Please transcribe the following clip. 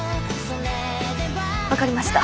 分かりました。